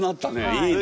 いいね。